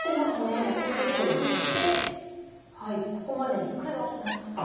ここでノゾいてここまでになって。